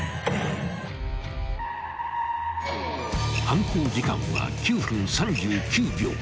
［犯行時間は９分３９秒］